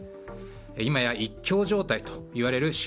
今や一強状態といわれる習